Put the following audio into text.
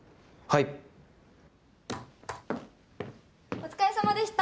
・お疲れさまでした・